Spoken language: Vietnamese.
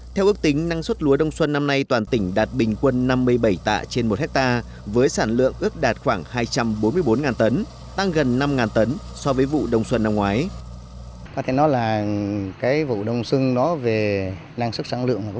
theo ước tính năng suất lúa đông xuân năm nay toàn tỉnh đạt bình quân năm hectare